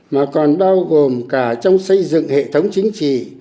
mà còn bao gồm cả trong xây dựng hệ thống chính trị